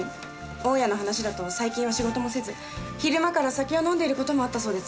大家の話だと最近は仕事もせず昼間から酒を飲んでいる事もあったそうです。